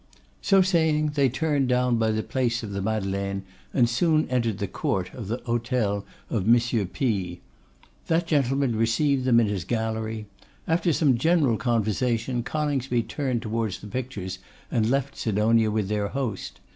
So saying they turned down by the Place of the Madeleine, and soon entered the court of the hotel of M. P s. That gentleman received them in his gallery. After some general conversation, Coningsby turned towards the pictures, and left Sidonia with their host.